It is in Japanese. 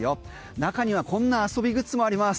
中にはこんな遊びグッズもあります。